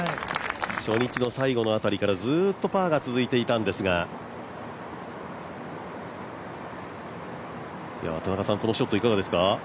初日の最後の辺りから、ずっとパーが続いていたんですが田中さん、このショット、いかがですか。